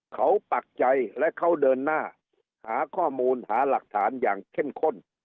เขาปักใจและเขาเดินหน้าหาข้อมูลหาหลักฐานอย่างเข้มข้น